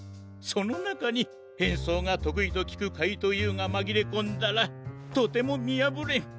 そのなかにへんそうがとくいときくかいとうＵがまぎれこんだらとてもみやぶれん。